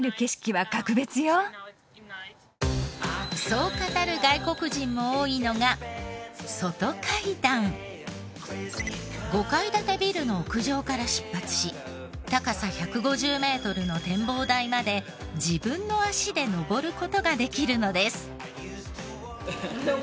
そう語る外国人も多いのが５階建てビルの屋上から出発し高さ１５０メートルの展望台まで自分の足で上る事ができるのです。